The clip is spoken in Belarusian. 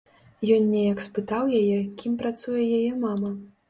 Ён неяк спытаў яе, кім працуе яе мама.